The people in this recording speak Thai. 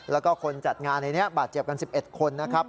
แล้วก็คนจัดงานในนี้บาดเจ็บกัน๑๑คนนะครับ